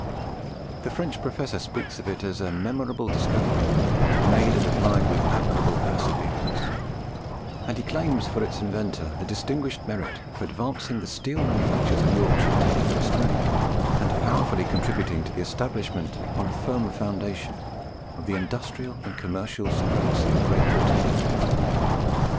The French professor speaks of it as a "memorable discovery," made and applied with admirable perseverance; and he claims for its inventor the distinguished merit of advancing the steel manufactures of Yorkshire to the first rank, and powerfully contributing to the establishment on a firm foundation of the industrial and commercial supremacy of Great Britain.